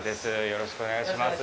よろしくお願いします